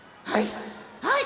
はい。